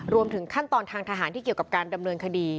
รวมถึงขั้นตอนทางทหารที่เกี่ยวกับการดำเนินคดี